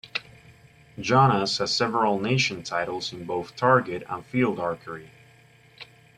Jonas has several nation titles in both target and field archery.